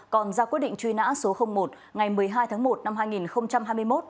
còn ra quyết định truy nã số một ngày một mươi hai tháng một năm hai nghìn hai mươi một